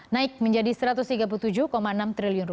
naik menjadi rp satu ratus tiga puluh tujuh enam triliun